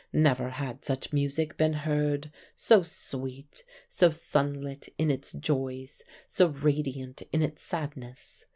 Never had such music been heard; so sweet, so sunlit in its joys, so radiant in its sadness.